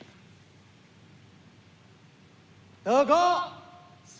oleh yang anti kosaya